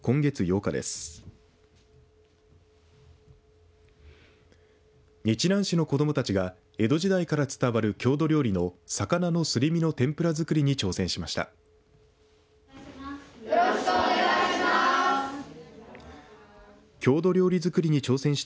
日南市の子どもたちが江戸時代から伝わる郷土料理の魚のすり身の天ぷら作りに挑戦しました。